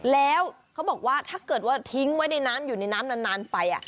แล้วเขาบอกว่าถ้าเกิดว่าทิ้งไว้ในน้ำอยู่ในน้ำนานไป